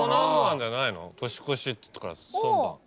年越しって言ったからそば。